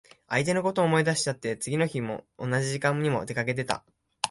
相手のこと思い出しちゃって、次の日の同じ時間も出かけてた。